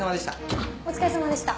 あっお疲れさまでした。